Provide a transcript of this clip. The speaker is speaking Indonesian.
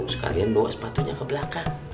sekalian bawa sepatunya ke belakang